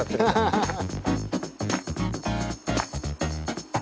ハハハハハ。